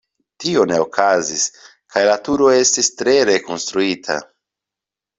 Tio ne okazis kaj la turo estis tre rekonstruita.